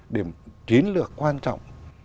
điểm chiến lược quan trọng